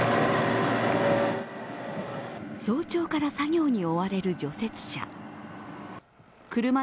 早朝から作業に追われる除雪車。